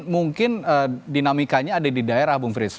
mungkin dinamikanya ada di daerah bung frits